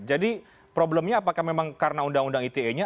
jadi problemnya apakah memang karena undang undang ite nya